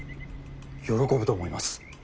喜ぶと思います。